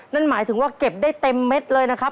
นั่นหมายถึงว่าเก็บได้เต็มเม็ดเลยนะครับ